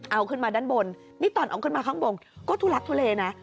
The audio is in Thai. เอาขึ้นมาด้านบนนี่ตอนเอาขึ้นมาข้างบนก็ทุลักทุเลนะ